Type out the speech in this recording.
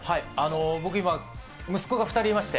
僕、今、息子が２人いまして。